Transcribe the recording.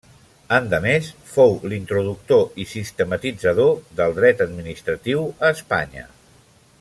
Endemés, fou l'introductor i sistematitzador del Dret administratiu a Espanya.